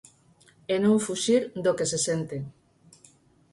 E non fuxir do que se sente.